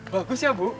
bagus ya bu